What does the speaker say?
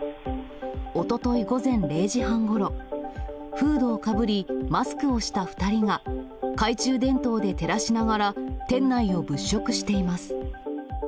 おととい午前０時半ごろ、フードをかぶりマスクをした２人が、懐中電灯で照らしながら店内を物色しています。